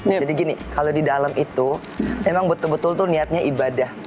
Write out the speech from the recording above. jadi gini kalau di dalam itu memang betul betul tuh niatnya ibadah